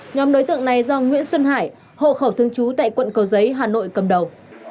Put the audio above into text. nhóm đối tượng này do nguyễn xuân hải hộ khẩu thương chú tại quận cầu giấy hà nội cầm đầu